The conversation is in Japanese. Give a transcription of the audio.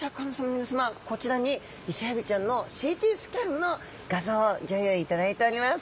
皆さまこちらにイセエビちゃんのＣＴスキャンの画像をギョ用意いただいております！